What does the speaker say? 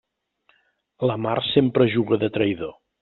La mar sempre juga de traïdor.